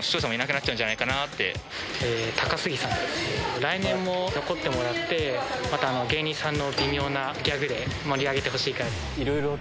来年も残ってもらって、また芸人さんの微妙なギャグで盛り上げてほしいから。